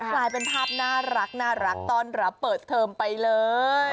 กลายเป็นภาพน่ารักต้อนรับเปิดเทอมไปเลย